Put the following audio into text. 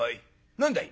何だい？」。